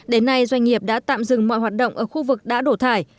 đến nay doanh nghiệp đã tạm dừng mọi hoạt động ở khu vực đã đổ thải